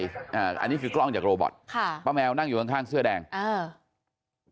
อันนี้คือกล้องจากโรบอตค่ะป้าแมวนั่งอยู่ข้างข้างเสื้อแดงอ่า